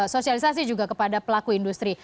sosialisasi juga kepada pelaku industri